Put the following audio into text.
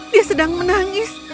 dia sedang menangis